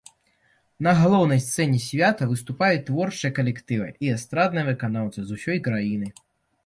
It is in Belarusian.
На галоўнай сцэне свята выступаюць творчыя калектывы і эстрадныя выканаўцы з усёй краіны.